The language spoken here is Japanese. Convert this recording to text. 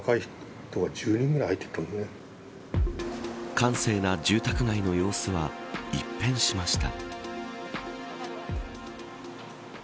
閑静な住宅街の様子は一変しました。